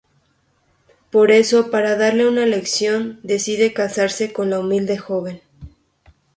Por eso para darle una lección decide casarse con la humilde joven.